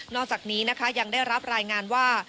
อกจากนี้นะคะยังได้รับรายงานว่า